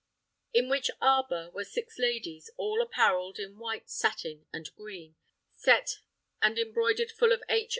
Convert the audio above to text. In which arbour were six ladies, all apparelled in white satin and green, set and embroidered full of H.